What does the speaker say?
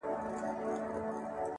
o اخلو انتقام به له تیارو یاره,